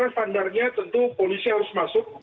saya kira standarnya tentu polisi harus masuk